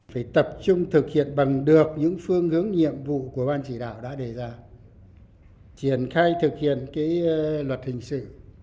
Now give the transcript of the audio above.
phải tập trung thực hiện bằng được những phương hướng nhiệm vụ của ban chỉ đạo đã đề ra triển khai thực hiện luật hình sự